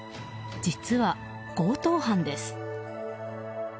実は、強盗犯です。